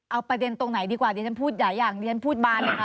เอาประเด็นตรงไหนดีกว่าเดี๋ยวอาจจะพูดบ้านดีกว่า